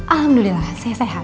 alhamdulillah saya sehat